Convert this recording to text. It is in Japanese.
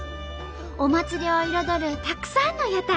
お祭りを彩るたくさんの屋台！